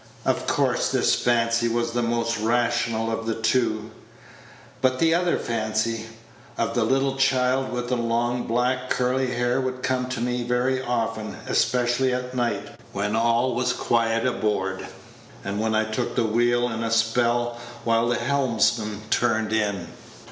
Of course this fancy was the most rational of the two; but the other fancy, of the little child with the long, black, curly hair, would come to me very often, especially at night, when all was quiet aboard, and when I took the wheel in a spell while the helmsman turned in.